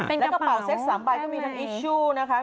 และกระเป๋าเซ็กส์สามใบก็มีกระเป๋าอิชชูนะคะ